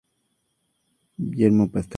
Guillermo Pastrana: chelo.